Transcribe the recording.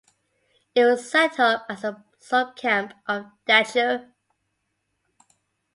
It was set up as a subcamp of Dachau.